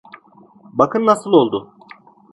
Bakın nasıl oldu…